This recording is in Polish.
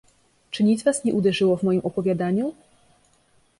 "Czy nic was nie uderzyło w moim opowiadaniu?"